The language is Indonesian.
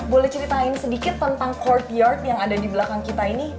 boleh ceritain sedikit tentang courtyard yang ada di belakang kita ini